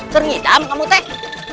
korn ngidam kamu tuh